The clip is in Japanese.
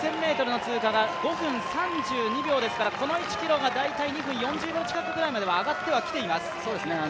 ２０００ｍの通過が５分３２秒ですから、この１ｋｍが２分４０秒近くまで上がってきてはいます。